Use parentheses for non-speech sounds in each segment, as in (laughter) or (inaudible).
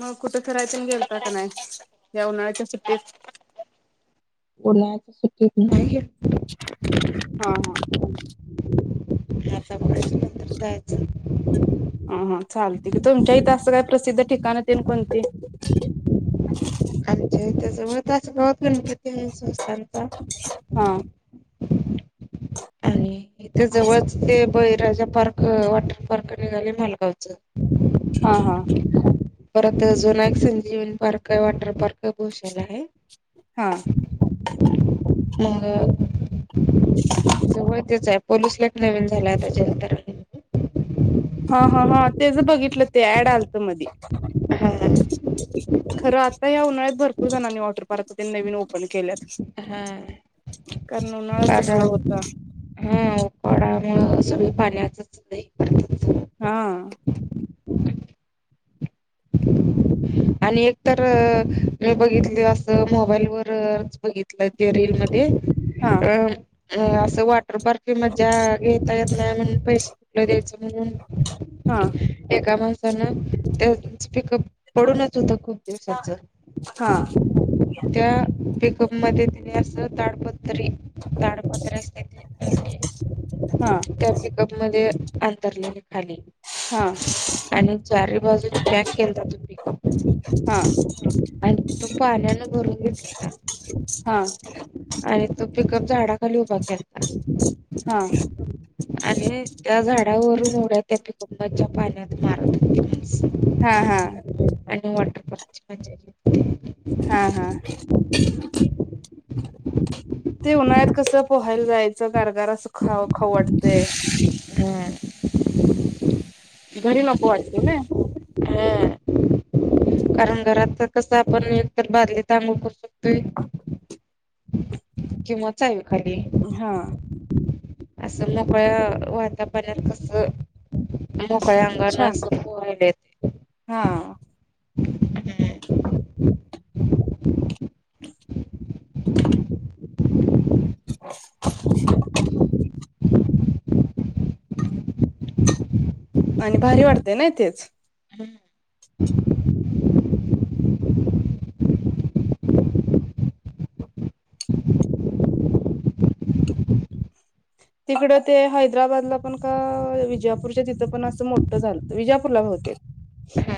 मग कुठे कराय घेता का नाही या उन्हाळ्याच्या सुट्टीत. उन्हाळ्याच्या सुट्टीत नाही गेलतो. हा हा. आताा बघाची नंतर जायचं. ह ह चालते की, तुमच्या इथे असं काही प्रसिद्ध ठिकाण येल कोणते. आमच्या इथ जवळ तास गावात गणपती आहे, संवस्थांचा. हा. आणि इथे जवळच ते बळीराजा पार्क वॉटर पार्क निघाले मालगावच. हा हा परत अजून एक संजीवनी पार्क आहे, वॉटर पार्क आहे, भोषाला आहे. हा ह (unintelligible) जवहितीच आहे पलूसला एक नवीन झालाय (unintelligible) तेचं बघितलं ते ऍड आलतं मधी. हा हा. खरं आता या उन्हाळ्यात भरपूर जणांनी वॉटर पार्क नवीन ओपन केल्यात. हा. कारण उन्हाळाच तसला हा होता कडामूळ स पाणी अस (unintelligible) नाही (unintelligible) हा (unintelligible) आणि एकतर मी बघितली असं मोबाईल वरच बघितलंय. ते रीलीलमध्ये हा अ. अ असं वॉटर पार्क मज्जा घेता येत नाही म्हण पैसे कुठलं द्यायचं हा म्हणून एका माणसानं तेच. पिकप पडूनच होत खूप दिवसाच हा त्या पिकप (unintelligible) मध्ये दिल्यासं ताडपत्री ताडपत्र असते ते हा हा त्या पिकप मध्ये. अंतरलेले खाली हा आणि चारी बाजूने पॅक के तो प हा (unintelligible) आणि तो पाण्यान भरून घेतलेला हा. आणि तो पिकप झाडाखाली उभा केलता. हा. आणि त्या झाडावरून उढ्या त्या पिकपच्या पाण्यात मारत होता माणस. हा हा. आणि वॉटर पार्कची मजा घेतली. हा हा. बी ते उन्हाळ्यात कस पोहायला जायचं कारगार अस ख खाऊ वाटतंय. घरी नको वाटतंय ना. हा. कारण घरात कस आपण एकतर बादलीत अंगूळ करू शकतोय किवाचल खाली हा असं मोकळ्या वातापऱ्यात कस मोकळ्या अंगान छान असं पोहालेत हा हूं! (inaudible) (unintelligible) आणि भारी वाटतय ना इथें च (unintelligible) तिकडं ते हैदराबादला पण का विजापूरच्या तिथं पण असं मोठ झालत विजापूरला बहूं हम्म,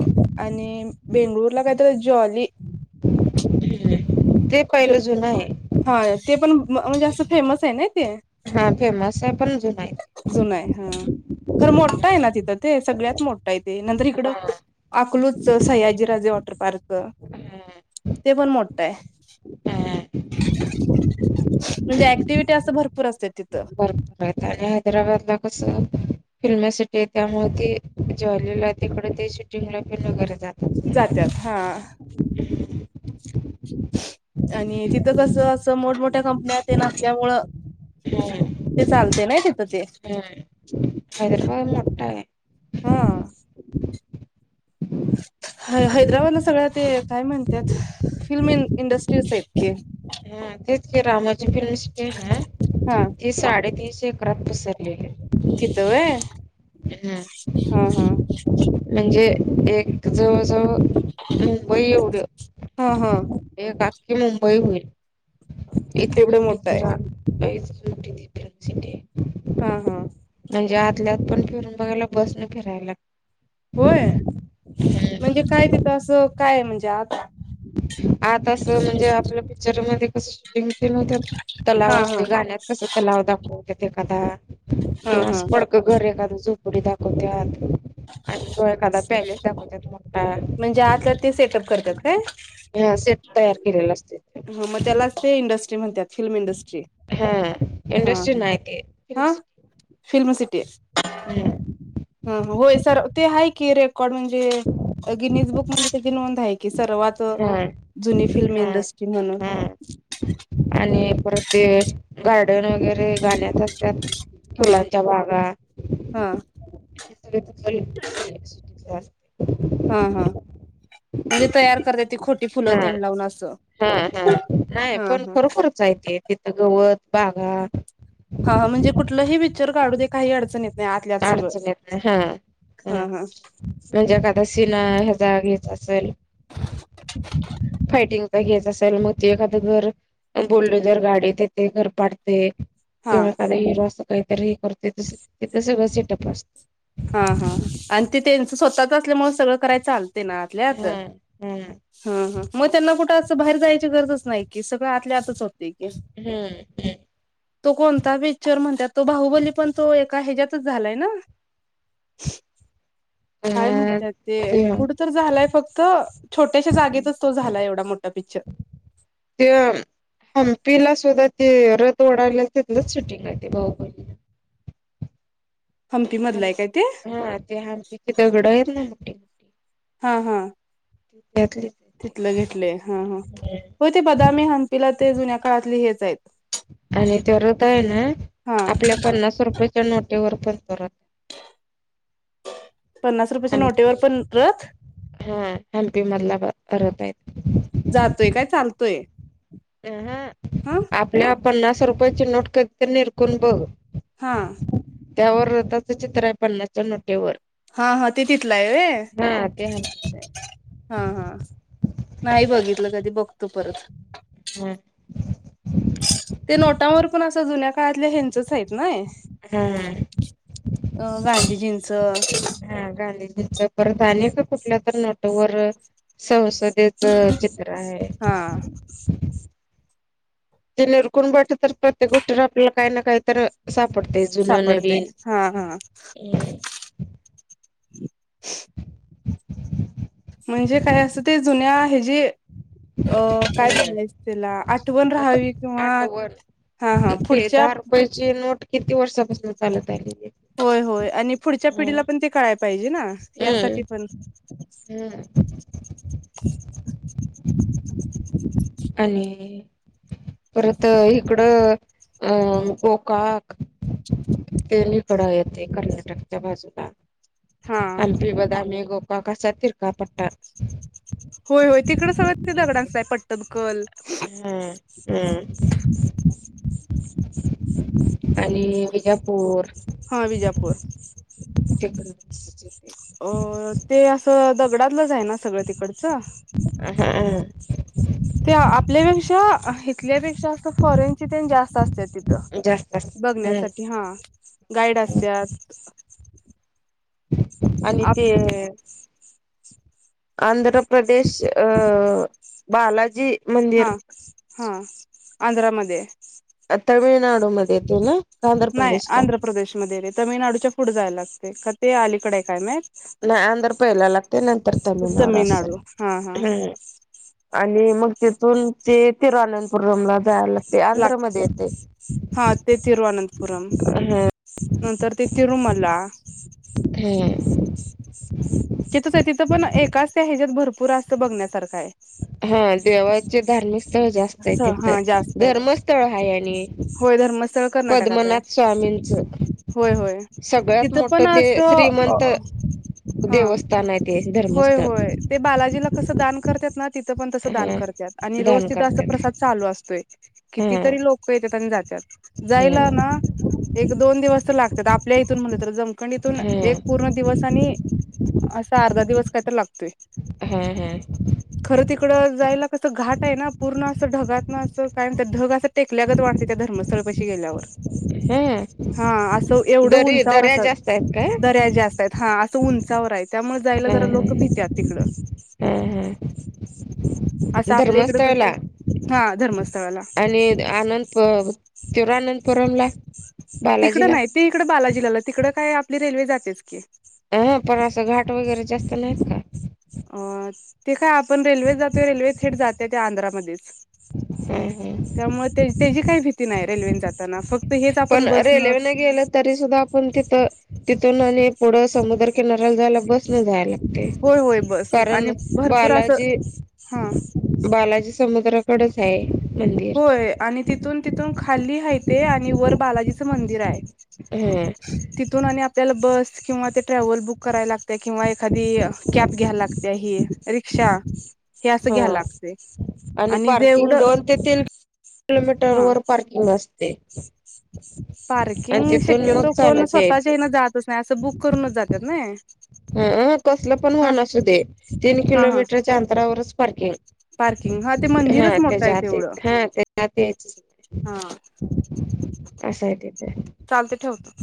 अ आणि बेंगळुरला काय तरी जॉली (unintelligible) ते पहिलं जुनं आहे. हा ते पण म्हणजे असं फेमस आहे नाई हा फेमस आहे पण जुनं आहे ते. जुनाय हा! खरं मोठं आहे ना हम्म, तिथं ते सगळ्यात मोठ आहे ते नंतर इकडं हा अकलू सयाजीराजे वॉटर पार्क हा ते पण मोठं आहे हा म्हणजे ऍक्टिव्हटी अस भरपूर असतेत बरपर आणि हैदराबादला कसं फिल्मसिटी त्यामुळे ती ज्वालीला तिकड ती सि चिन ला पण वगैरे जातात जात्यात हा आणि तिथं कस असं मोठमोठ कंपन्या ते नसल्यामुळ हम्म. ते चालत नाही ते ते हम्म हैदराबाद मोठा आहे. हा! है हैदराबादला सगळं ते काय म्हणत्यात फिल्म इन इंडस्ट्री स आहेत ते हा तेच की रामाची फिल्मसिटी आहे हा ना ती साडेतीस एकरात पसरलेली तीथ व्हयं हम्म. हा हा! जे एक जवळ, जवळ मुंबई एवढ हा हा एक आ खि मुंबई होईल इतकी एवढं मोठी मोठं ती आहे रान इतकी मोठी ती फिल्म हा हा सिटी म्हणजे आदल्यात पण फिरून बघायला बस न फिरायला लागत होय म्हणजे काय तिथं असं काय म्हणजे आत आता अस म्हणजे आपल्या पिक्चरमध्ये कस शूटिंग ते नव्हत्यात तलाव हा हा असतोय गाण्यात कस तलाव दाखवतेत एखादा हा किंवा हा असं पडक घर एखादं झोपडी दाखवत्यात आणि तो एखादा पॅलेस दाखवत्यात मोटा म्हणजे आतला ते सेटअप करतात काय ह सेट तयार केलेला ह म त्यालाच ते इंडस्ट्री म्हणत्यात फिल्म इंडस्ट्री हा ह इंडस्ट्री नाही ते हा हं फिल्म सिट हूं! होय सर ते आहे की रेकॉर्ड म्हणजे, गिनिजबुक मदे त्याची नोंद आहे की सर्वात हा जुनी फिल्म हा इंडस्ट्री म्हणून हा आणि परत ते गार्डन वगैरे गाण्यात असतात हा फुलांच्या बागा हा (unintelligible) हा! म्हणजे तयार करता ती खोटी फुलं हा तेन लावून असं हां हां नाही हा पण हा खरोखरच आहे ते तिथं गवत बागा हा म्हणजे कुठलंही पिक्चर काढू दे काही अडचण येत नाही आतल्यात सगळं अडचणी येत नाही. हा हा म्हणजे एखादा सिना ह्या जागीच असेल, फायटिंग तर घ्यायच असेल मग त एखाद घर बुलडझर गाडी येते घर पाडते हा किंवा एखादा हर अस काहीतरी हे करते तस सगळं सेटअप असते. हा हा आणि ते त्यांच स्वतःच असल्यामुळे सगळ कराय चालत. तेन आतल्या आत हां हां ह ह मग त्यांना कुठं असं बाहेर जायची गरजं अस नाही की सगळं आतल्या आतच होतं. हम्म तो कोणता पिक्चर म्हणतात. तो बाहुबली पण तो. का ह्याच्यातच झालायं ना. काय म्हणतात ते कुठ तर झालंय फक्त छोट्याशा जागेतच तो झालाय एवढां मोठा पिक्चर. ते हंपीला सुध- ते रथ ओढायला तिथलच शूटिंग आहे ते बाहुबली. हंपी मधलाय काय ते हा ते हंपीची दगड आहेत ना मोठी- मोठी. हा हा. त्यातलीच आहे तिथल घेतलेय हा हा ती. होयं ते बदामी हंपीला ते जुन्या काळातली हेच आहेतं. आणि ते रथ आहे ना हा आपल्या पन्नास रुपये - नोटेवर पण तो रथ. पन्नास रुपयेच्या नोटेवर पण रथ! हा हंपी मधला रथ आहे. जातोय काय चालतोय. अहं हा आपल्या पन्नास रुपयाची नोट कधीतरी निरकून बघ. हा. त्यावर त्याचं चित्र आहे पन्नासच्या नोट्यावर. हा हा ते तिथलं आहे व्हयं. ते हम्पीच आहे. हा हा नाही बघितल कधी बघतो परत.. हम. ते नोटांवर पण असं जुन्या काळातल्या हेंचच आहेतं. नाही. हा अ गांधीजींचं. हा गांधीजींच परत आणि एका कुठल्या तर नोट वर. संसदे च चित्र. आहे. हा. ते निरकून बघितल तर प्रत्येक गोष्टी वर आपल्याला काही ना काही तर सा- पडते जुनं सापडते नवीन. हा हा (inaudible) (inaudible) म्हणजे काय असं ते जुन्या हे जे अ काय म्हणायच त्याला आठवण आता राहावी किंवा आठवण हा हा ते पुढच्या दहा रुपयाची नोट किती वर्षापासून चालत आली. होय, होय आणि पुढच्या पिढीला पणं ते कळाय पाहिजे ना. हम्म यासाठी पण. (inaudible) हम्म आणि परत इकड अ गोकाक. तेन इकड येते कर्नाटकच्या बाजूला. हा हंपी, बदामी, गोकाक असा तिरका पट्टा. होय होय, तिकड सगळ त येते. दगडांचय पटदकल हा (inaudible) आणि विजापूर. हा विजापूर (inaudible) अ ते असं (inaudible) आहे ना सगळं तिकडचं हा ते आपल्यापेक्षा इथल्या पे- फॉरेन्सिक तेन जास्त असतात तिथं जास्त असत हम्म बघण्यासाठी हा. गाईड असत्यात. आणि आप आंध्रप्रदेश अ बालाजी मंदिर हा हा आंध्रा मध्ये. तामिळनाडू मध्ये येतयं ना? आंध्र नाही प्रदेशला आंध्र प्रदेशमध्ये येतय, तमिळनाडूच्या पुढे जायला लागतयं का ते अलीकडे काय माहित? नाही आंध्र पहिला लागतय, नंतर तमिळनाडू असलं हा हा हम. आणि मग तिथून जे तिरुअनंतपुरमला जायला ला लाग हा ते तिरुवनंतपुरम. ह नंतर ते तिरुमाला. हम. तिथंच आहे पण एकाच त्या ह्याच्यात भरपूर असत. बघण्यासारखं आहे. जे धार्मिक स्थळ जास्त आहे. ते स्थळ हा तिथ जास्त आहेत धर्मस्थळ आहे आणि होय धर्मस्थळ कर्नाटकाच आहे. पद्मनाथ स्वामींचं होय-होय सगळ्यात तिथं मोठं पण ते असं अ. श्रीमंत हा देवस्थान आहे ते धर्मस्थळ होय-होय ते बालाजीला कस दान करत्यात ना तिथं पण तसं दान हा करतात. आणि रोज दान तिथं अस करतात प्रसाद चालू असतोय. हा कितीतरी लोक येतात आणि जातात. जायला हा ना एक-दोन दिवस तर लागतात. आपल्या इथून म्हणले तर जम आखंडीतून एक हा पूर्ण दिवस आणि. असा अर्धा दिवस काही तर लागतोय. हा हा खरं तिकड जायला कस घाट आहे ना पूर्ण. असं ढगात ना असं काय ढग असं टेकल्यागत वाटतय त्या धर्मस्थळ पाशी गेल्यावर. हा हा अस एवढं दरी उंचावर दऱ्या अस. जास्त आहेत काय दर्या जास्त आहेत हा असंं उंचावर् त्यामुळे जायला हा जरा लोक भित्यात तिकडं. हा हा हा असं आपल्या इकडं कसं धर्मस्थळला. हा धर्मस्थळाला आणि आनंदप तव अनंतपुरमला.? तिकडं नाही. ते इकडं बालाजिला आलं. तिकडं काय आपली रेल्वे जातेच की. ह पण असं घाट वगैरे जास्त नाहीत का? अ ते काय आपण रेल्वे जातोय. रेल्वे थेट जाते त्या आंध्रामध्येच. ह त्यामुळे त्याची काही भीती नाही. रेल्वेन जाताना फक्त. हेच आपण पण बस न रेल्वेने गेलं तरी सुद्धा आपण तिथ आणि पुढं समुद्र किनाऱ्याला जायला बसणं जायला लागतय होय होय बस आणि कारण भरपूर असं बालाजी हा बालाजी समुद्र कडंच आहे. मंदिर होय, आणि तिथून तिथून खाली हाय ते आणि वर बालाजीचं मंदिर आहे. ह तिथून आणि आपल्याला बस किंवा ते ट्रॅव्हल बुक करायला लागतयं, किंवा एखादी कॅब घ्या लागत्या ही रिक्षा. हे असं हा घ्या लागतयं आणि पार्किंग जेवढं दोन ते तीन किलोमीटर हा वर पार्किंग असतयं. पार्किंग शक्यतो, कोण चालत स्वतःच्या यायचं. येन जातच नाही असं बुक करूनच जात्यात नाही. ह कसलं पण वाहण असू दे तीन हा हा किलोमीटरच्या अंतरावरच पार्किंग पार्किंग हा ते हा मंदिरच मोठं आहे त्याच्या आत तेवढ हा त्याच्या आत यायचंच हा (inaudible) असायं ते. चालतयं ठेवतो.